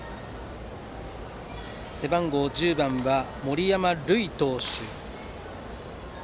背番号１０番は、森山塁投手。